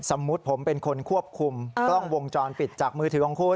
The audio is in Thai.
สมมุติผมเป็นคนควบคุมกล้องวงจรปิดจากมือถือของคุณ